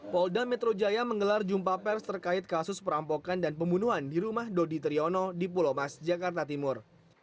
polda metro jaya menggelar jumpa pers terkait kasus perampokan dan pembunuhan di rumah dodi triyono di pulau mas jakarta timur